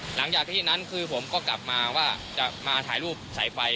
หลังจากที่นั้นคือผมก็กลับมาว่าจะมาถ่ายรูปสายไฟ